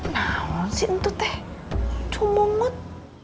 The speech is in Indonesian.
nah mau siap siap tuh cemungut